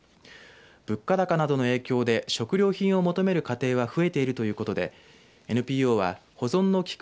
物価高などの影響で食料品を求める家庭は増えているということでＮＰＯは保存の利く